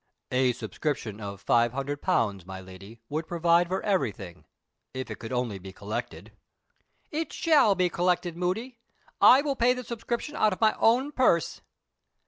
"A subscription of five hundred pounds, my Lady, would provide for everything if it could only be collected." "It shall be collected, Moody! I will pay the subscription out of my own purse."